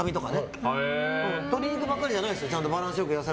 鶏肉ばっかりじゃないですよ。